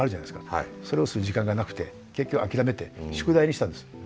それをする時間がなくて結局諦めて宿題にしたんです。